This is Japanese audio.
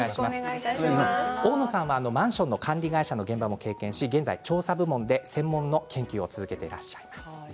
大野さんはマンションの管理会社の現場も経験し現在は調査部門で専門の研究を続けていらっしゃいます。